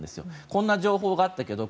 こんな情報があったけど